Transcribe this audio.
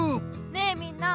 ねえみんな。